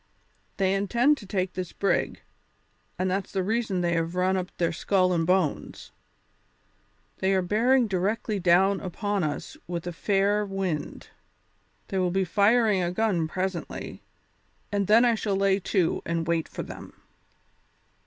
They intend to take this brig, and that's the reason they have run up their skull and bones. They are bearing directly down upon us with a fair wind; they will be firing a gun presently, and then I shall lay to and wait for them."